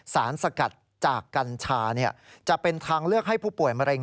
สารสกัดจากกัญชาจะเป็นทางเลือกให้ผู้ป่วยมะเร็